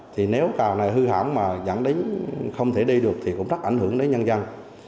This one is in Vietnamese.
thì nếu cầu này hư hỏng mà dẫn đến không thể đi được thì cũng rất ảnh hưởng đến nhân dân